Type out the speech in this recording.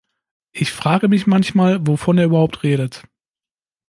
Ich frage mich manchmal, wovon er überhaupt redet.